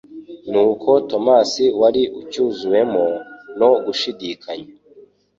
Nuko Tomasi wari ucyuzuwemo no gushidikanya